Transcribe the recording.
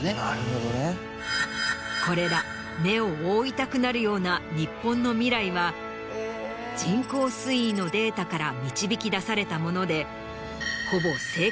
これら目を覆いたくなるような日本の未来は人口推移のデータから導き出されたもので。